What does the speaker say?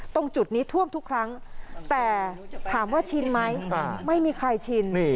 ตรงจุดนี้ท่วมทุกครั้งแต่ถามว่าชินไหมไม่มีใครชิน